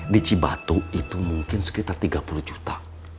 di cibatu itu mungkin sekitar tiga puluh juta